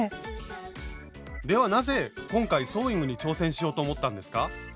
ではなぜ今回ソーイングに挑戦しようと思ったんですか？